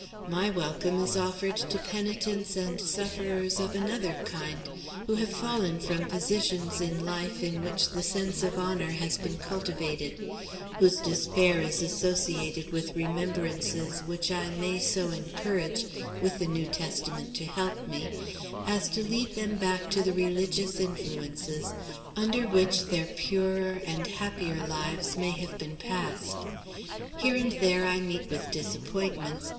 My welcome is offered to penitents and sufferers of another kind who have fallen from positions in life, in which the sense of honor has been cultivated; whose despair is associated with remembrances which I may so encourage, with the New Testament to help me, as to lead them back to the religious influences under which their purer and happier lives may have been passed. Here and there I meet with disappointments.